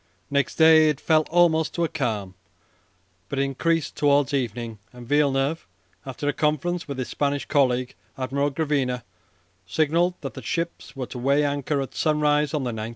Next day it fell almost to a calm, but it increased towards evening, and Villeneuve, after a conference with his Spanish colleague, Admiral Gravina, signalled that the ships were to weigh anchor at sunrise on the 19th.